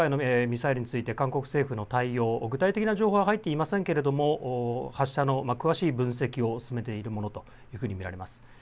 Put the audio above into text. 今回のミサイルについて韓国政府の対応、具体的な情報は入っていませんけれども発射の詳しい分析を進めているものと見られます。